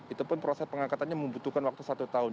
itu pun proses pengangkatannya membutuhkan waktu satu tahun